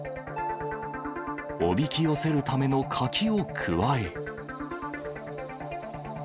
おびき寄せるための柿をくわえ。